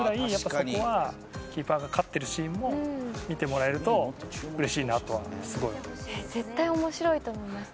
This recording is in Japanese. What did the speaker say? そこはキーパーが勝ってるシーンも見てもらえると嬉しいなとはすごい思います。